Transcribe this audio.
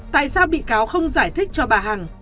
tại sao bị cáo không giải thích cho bà hằng